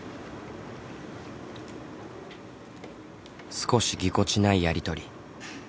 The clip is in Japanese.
少しぎこちないやりとり。